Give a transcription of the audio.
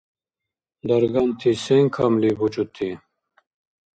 Дарганти сен камли бучӏути?